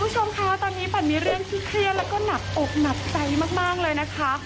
ชมนะคะตอนนี้ปัชอีกเรื่องที่เคลียร์แล้วก็หนักอกหนับใจมากเลยนะคะ